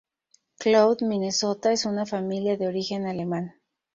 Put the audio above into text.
Cloud, Minnesota, en una familia de origen alemán.